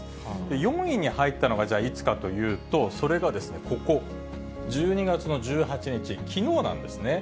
４位に入ったのがじゃあ、いつかというと、それがですね、ここ、１２月の１８日、きのうなんですね。